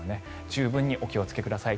十分にお気をつけください。